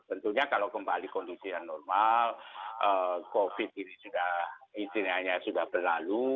tentunya kalau kembali kondisi yang normal covid ini sudah berlalu